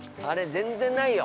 全然ないよ！